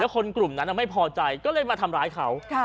คนกลุ่มนั้นไม่พอใจก็เลยมาทำร้ายเขา